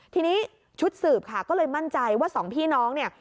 ทีนี้ชุดสืบค่ะก็เลยมั่นใจว่าสองพี่น้องเนี่ย